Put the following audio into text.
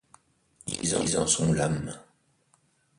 Ils en sont l'âme